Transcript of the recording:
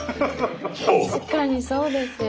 確かにそうですよ。